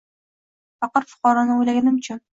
Faqir-fuqaroni o’ylaganim-chun